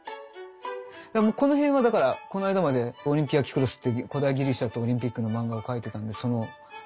この辺はだからこの間まで「オリンピア・キュクロス」っていう古代ギリシャとオリンピックの漫画を描いてたんでその資料本ですけど。